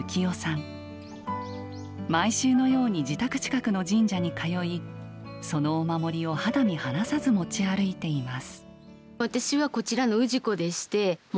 毎週のように自宅近くの神社に通いそのお守りを肌身離さず持ち歩いています。